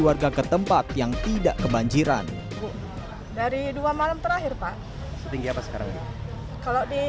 warga ke tempat yang tidak kebanjiran dari dua malam terakhir pak setinggi apa sekarang kalau di